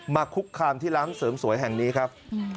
คุกคามที่ร้านเสริมสวยแห่งนี้ครับ